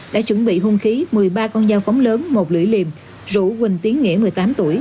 đã chuẩn bị hung khí một mươi ba con dao phóng lớn một lưỡi liềm rủ quỳnh tiến nghĩa một mươi tám tuổi